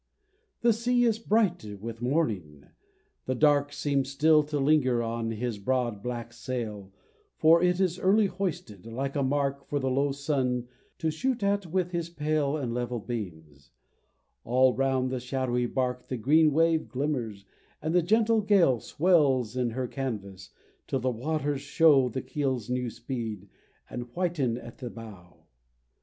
The sea is bright with morning, but the dark Seems still to linger on his broad black sail, For it is early hoisted, like a mark For the low sun to shoot at with his pale And level beams: All round the shadowy bark The green wave glimmers, and the gentle gale Swells in her canvas, till the waters show The keel's new speed, and whiten at the bow.